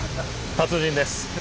達人です。